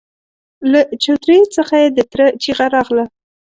له چوترې څخه يې د تره چيغه راغله!